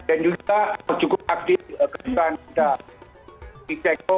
dan juga cukup aktif kesempatan kita di ceko